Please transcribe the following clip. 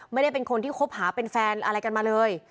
ไม่ได้เป็นคนที่คบหาเป็นแฟนอะไรกันมาเลย